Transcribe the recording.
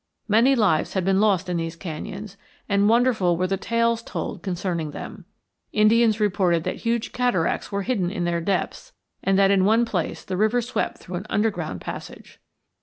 Many lives had been lost in these canyons and wonderful were the tales told concerning them. Indians reported that huge cataracts were hidden in their depths and that in one place the river swept through an underground passage.